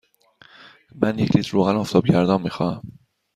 من یک لیتر روغن آفتابگردان می خواهم.